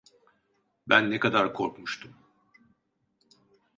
Ben ne kadar korkmuştum…